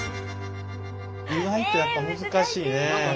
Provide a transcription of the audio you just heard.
意外とやっぱ難しいねこれ。